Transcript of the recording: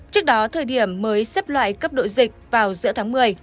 trước đó thời điểm mới xếp loại cấp đội dịch vào giữa tháng một mươi